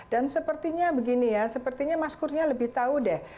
dan sepertinya begini ya sepertinya mas kurnia lebih tahu deh